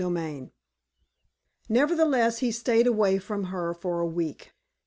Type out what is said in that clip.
'" XIII Nevertheless, he stayed away from her for a week.